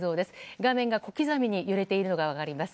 画面が小刻みに揺れているのが分かります。